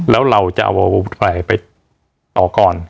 แล้วเราจะเอาใครไปต่อก่อน